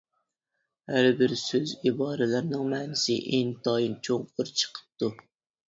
ھەر بىر سوز ئىبارىلەرنىڭ مەنىسى ئىنتايىن چوڭقۇر چىقىپتۇ.